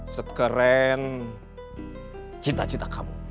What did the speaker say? sekeren cinta cinta kamu